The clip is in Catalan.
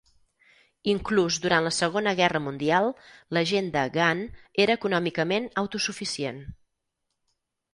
Inclús durant la Segona Guerra Mundial, la gent de Gan era econòmicament autosuficient.